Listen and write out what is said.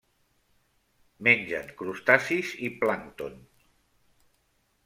Mengen crustacis i plàncton.